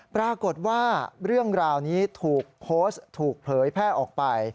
ปรากฏว่าเรื่องราวนี้ถูกโพสต์ถูกเผยแพร่ออกไป